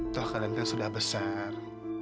toh kalian kan sudah besar